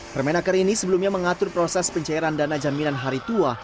permenaker ini sebelumnya mengatur proses pencairan dana jaminan hari tua